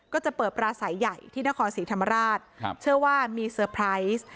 ก็จะเปิดปลาสายใหญ่ที่นครศรีธรรมราชครับเชื่อว่ามีเซอร์ไพรส์